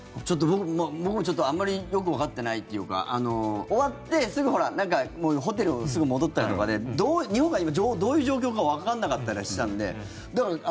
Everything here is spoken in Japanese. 僕もちょっとあまりよくわかってないというか終わってホテルにすぐ戻ったりとかで日本が今どういう状況かわからなかったりしたので。